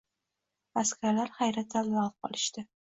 Askarlar hayratdan lol qolishdi